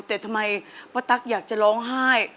แต่ทำไมป้าตั๊กอยากจะร้องไห้